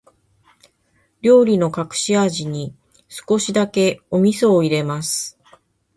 料理の隠し味に、少しだけお味噌を入れます。